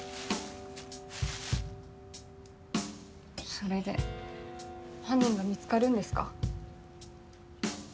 それで犯人が見つかるんですか？